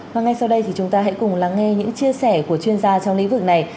và ngay sau đây thì chúng ta hãy cùng lắng nghe những chia sẻ của chuyên gia trong lĩnh vực này